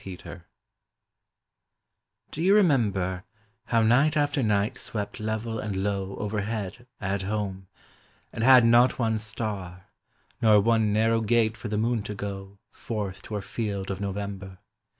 REMINDER Do you remember How night after night swept level and low Overhead, at home, and had not one star, Nor one narrow gate for the moon to go Forth to her field of November.